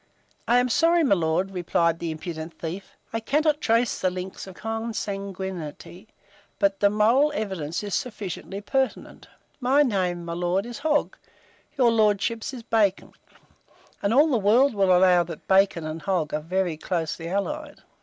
"I am sorry, my lord," returned the impudent thief, "I cannot trace the links of consanguinity; but the moral evidence is sufficiently pertinent. My name, my lord, is Hogg, your lordship's is Bacon; and all the world will allow that bacon and hog are very closely allied."